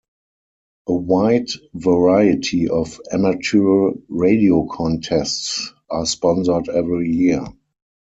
A wide variety of amateur radio contests are sponsored every year.